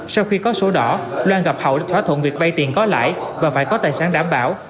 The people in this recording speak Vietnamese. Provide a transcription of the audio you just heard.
sau khi có số đỏ loan gặp hậu được thỏa thuận việc bay tiền có lại và phải có tài sản đảm bảo